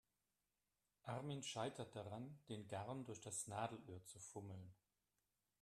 Armin scheitert daran, den Garn durch das Nadelöhr zu fummeln.